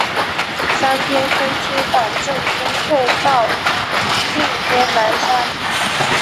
三边分区党政军退到定边南山。